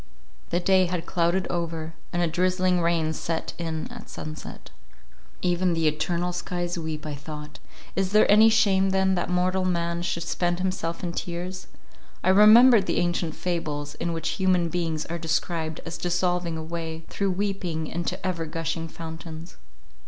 The day had clouded over, and a drizzling rain set in at sunset. Even the eternal skies weep, I thought; is there any shame then, that mortal man should spend himself in tears? I remembered the ancient fables, in which human beings are described as dissolving away through weeping into ever gushing fountains.